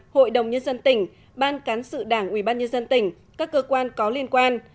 hội đồng nhân dân tỉnh ban cán sự đảng ủy ban nhân dân tỉnh các cơ quan có liên quan